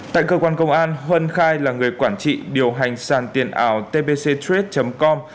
tại cơ quan công an huân khai là người quản trị điều hành sàn tiền ảo tbc com